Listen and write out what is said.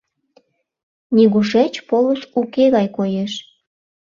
Нигушеч полыш уке гай коеш.